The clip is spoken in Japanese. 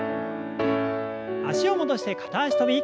脚を戻して片脚跳び。